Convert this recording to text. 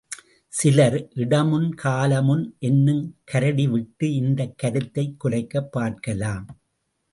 சிலர், இடமுன் கால முன் என்னும் கரடி விட்டு இந்தக் கருத்தைக் குலைக்கப் பார்க்கலாம்.